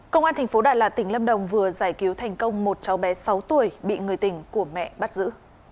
công an thành phố đà lạt tỉnh lâm đồng vừa giải cứu thành công một cháu bé sáu tuổi bị người tỉnh của mẹ bắt giữ